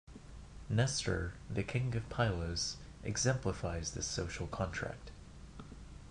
Nestor, the king of Pylos, exemplifies this social contract.